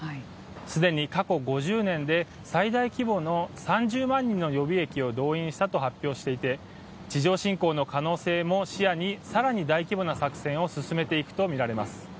すでに過去５０年で最大規模の３０万人の予備役を動員したと発表していて地上侵攻の可能性も視野にさらに大規模な作戦を進めていくと見られます。